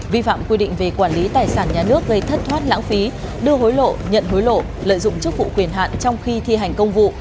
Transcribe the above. vi phạm quy định về quản lý tài sản nhà nước gây thất thoát lãng phí đưa hối lộ nhận hối lộ lợi dụng chức vụ quyền hạn trong khi thi hành công vụ